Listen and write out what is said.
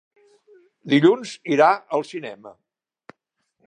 Dilluns irà al cinema.